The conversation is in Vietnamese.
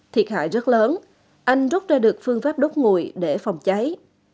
thiệt hại rất lớn anh rút ra được phương pháp đốt ngùi để phòng cháy